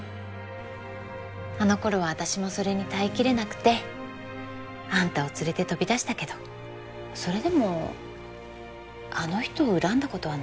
あの頃は私もそれに耐えきれなくてあんたを連れて飛び出したけどそれでもあの人を恨んだ事はないかな。